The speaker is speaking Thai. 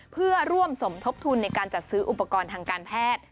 เพื่อร่วมสมทบทุนในการจัดซื้ออุปกรณ์ทางการแพทย์